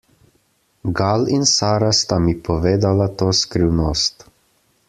Gal in Sara sta mi povedala to skrivnost.